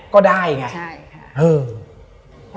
ก็ได้ไงอืมเหรอ